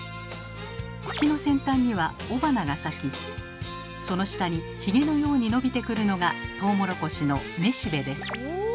茎の先端には雄花が咲きその下にヒゲのように伸びてくるのがトウモロコシのめしべです。